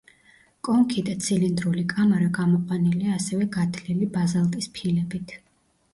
კონქი და ცილინდრული კამარა გამოყვანილია ასევე გათლილი ბაზალტის ფილებით.